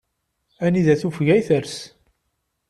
Anida tufeg ay ters.